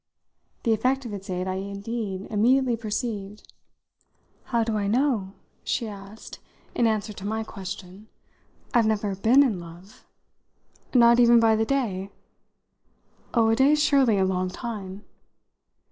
The effect of its aid I indeed immediately perceived. "How do I know?" she asked in answer to my question. "I've never been in love." "Not even by the day?" "Oh, a day's surely a long time."